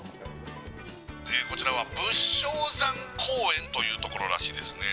こちらは仏生山公園というところらしいですね